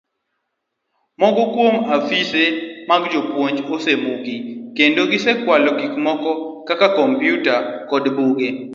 Moko kuom ofise mag jopuonj osemuki, kendo gisekwalo gik moko kaka kompyuta kod buge